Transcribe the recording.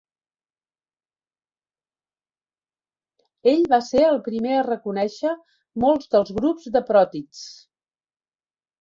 Ell va ser el primer a reconèixer molts dels grups de protists.